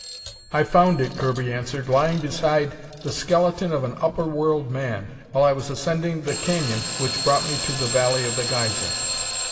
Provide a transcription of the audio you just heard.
"I found it," Kirby answered, "lying beside the skeleton of an upper world man, while I was ascending the canyon which brought me to the Valley of the Geyser."